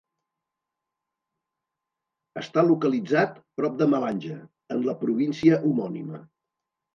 Està localitzat prop de Malanje, en la província homònima.